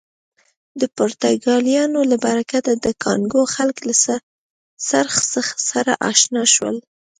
د پرتګالیانو له برکته د کانګو خلک له څرخ سره اشنا شول.